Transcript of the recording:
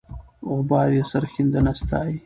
غبار یې سرښندنه ستایي.